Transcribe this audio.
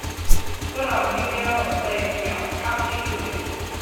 Put on Vimeo and play Kacapi Suling